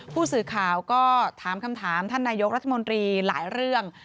ผู้สื่อข่าวก็ถามคำถามท่านนายกรัฐมนตรีหลายเรื่อง